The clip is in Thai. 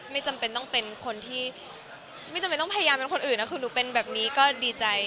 จำเป็นต้องเป็นคนที่ไม่จำเป็นต้องพยายามเป็นคนอื่นนะคือหนูเป็นแบบนี้ก็ดีใจ